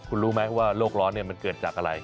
คุณรู้ไหมว่าโรคร้อนมันเกิดจากอะไร